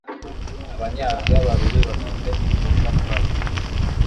Abanyaziya babiri bafite imboga rwatsi